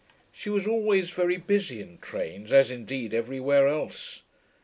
She was always very busy in trains, as, indeed, everywhere else.